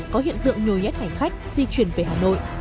có hiện tượng nhồi nhét hành khách di chuyển về hà nội